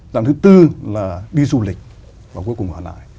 dạng thứ tư là đi du lịch và cuối cùng hòa lại